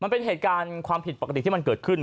มันเป็นเหตุการณ์ความผิดปกติที่มันเกิดขึ้น